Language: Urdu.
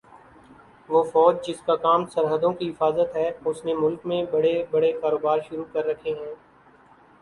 وہ فوج جس کا کام سرحدوں کی حفاظت ہے اس نے ملک میں بڑے بڑے کاروبار شروع کر رکھے ہیں